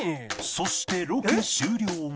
そしてロケ終了後